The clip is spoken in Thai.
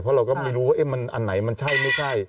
เพราะเราก็ไม่รู้ว่ามันอันไหนมันใช่ไม่ใช่